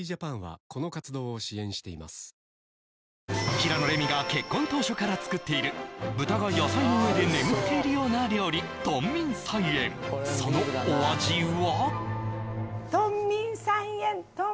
平野レミが結婚当初から作っている豚が野菜の上で眠っているような料理豚眠菜園そのお味は？